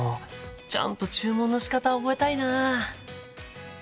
ちゃんと注文のしかた覚えたいな。